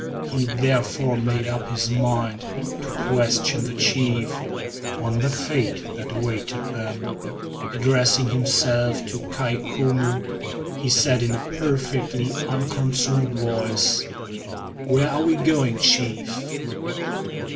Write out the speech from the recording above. He therefore made up his mind to question the chief on the fate that awaited them. Addressing himself to Kai Koumou, he said in a perfectly unconcerned voice: "Where are we going, chief?"